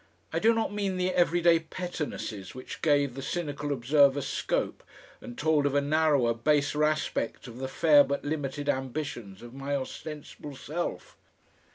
I do not mean the everyday pettinesses which gave the cynical observer scope and told of a narrower, baser aspect of the fair but limited ambitions of my ostensible self.